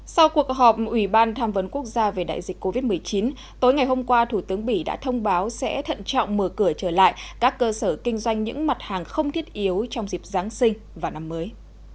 sau cuộc họp ủy ban tham vấn quốc gia về đại dịch covid một mươi chín tối ngày hôm qua thủ tướng bỉ đã thông báo sẽ thận trọng mở cửa trở lại các cơ sở kinh doanh những mặt hàng không thiết yếu trong dịp giáng sinh và năm mới